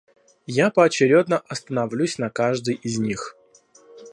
Я поочередно остановлюсь на каждой из них.